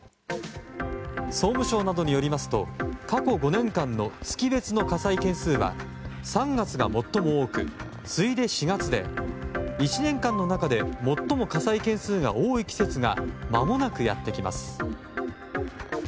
総務省などによりますと過去５年間の月別の火災件数は３月が最も多く、次いで４月で１年間の中で最も火災件数が多い季節がまもなくやってきます。